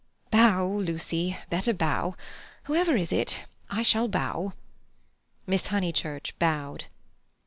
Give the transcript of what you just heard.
"Bow, Lucy; better bow. Whoever is it? I shall bow." Miss Honeychurch bowed.